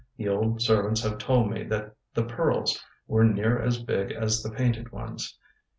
The old servants have told me that the pearles were neer as big as the painted ones.